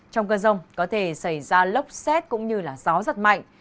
trong cơn rông có thể xảy ra lốc xét cũng như gió giật mạnh